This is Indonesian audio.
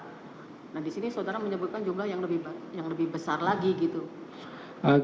nah di sini saudara menyebutkan jumlah yang lebih besar lagi gitu